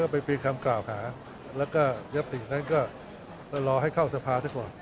ก็ไปเปลี่ยนคำกล่าวขาแล้วก็ยับถึงนั้นก็รอให้เข้าสภาททั้งหมด